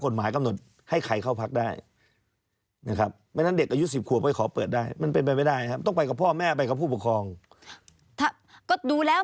นะครับคุณต้องรู้อยู่แล้ว